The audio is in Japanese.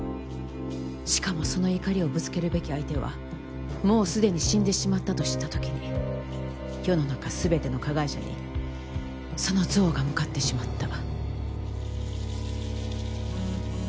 しかもその怒りをぶつけるべき相手はもうすでに死んでしまったと知ったときに世の中全ての加害者にその憎悪が向かってしまった。